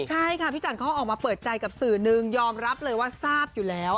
ใช่ค่ะพี่จันเขาออกมาเปิดใจกับสื่อนึงยอมรับเลยว่าทราบอยู่แล้ว